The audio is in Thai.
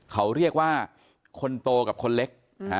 เขาเรียกว่าคนโตกับคนเล็ก